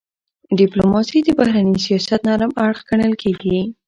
ډيپلوماسي د بهرني سیاست نرم اړخ ګڼل کېږي.